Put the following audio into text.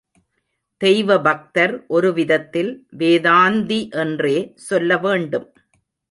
தெய்வபக்தர் ஒருவிதத்தில் வேதாந்தி என்றே சொல்லவேண்டும்.